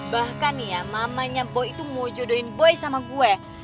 bahkan nih ya mamanya boy itu mau jodohin boy sama gue